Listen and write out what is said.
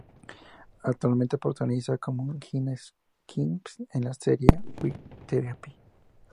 Actualmente protagoniza como Gina Spinks en la serie "Web Therapy.